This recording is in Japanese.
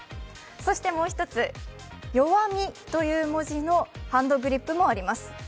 そして、もう一つ「弱み」という文字のハンドグリップもあります。